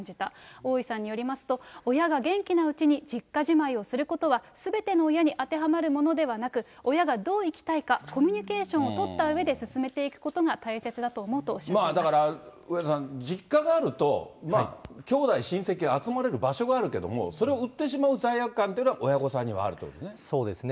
大井さんによりますと、親が元気なうちに実家じまいをすることは、すべての親に当てはまるものではなく、親がどう生きたいか、コミュニケーションを取ったうえで進めていくことが大切だと思うだから、梅沢さん、実家があると、まあ、きょうだい、親戚が集まれる場所があるけれども、それを売ってしまう罪悪感というのは、親御さんにはあるというこそうですね。